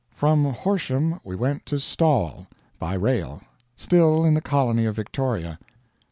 From Horsham we went to Stawell. By rail. Still in the colony of Victoria.